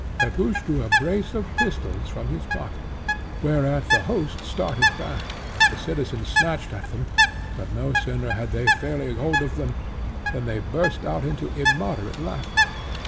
Pepusch drew a brace of pistols from his pocket, whereat the host started back; the citizens snatched at them, but, no sooner had they fairly hold of them, than they burst out into immoderate laughter.